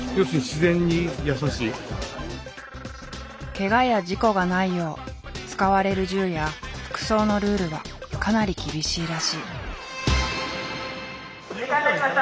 ケガや事故がないよう使われる銃や服装のルールはかなり厳しいらしい。